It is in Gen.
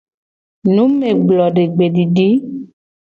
Numeblodegbedidi.